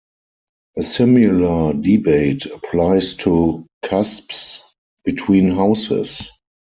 A similar debate applies to cusps between houses.